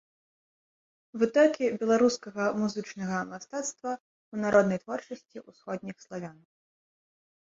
Вытокі беларускага музычнага мастацтва ў народнай творчасці ўсходніх славян.